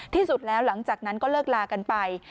ที่สุดแล้วหลังจากนั้นก็เลิกลากันไป